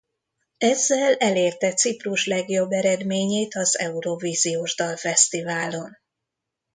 Ezzel elérte Ciprus legjobb eredményét az Eurovíziós Dalfesztiválon.